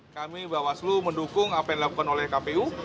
kami bawaslu mendukung apa yang dilakukan oleh kpu